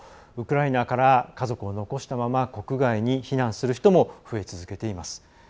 ウクライナから家族を残したまま国外に避難する人も増え続けています。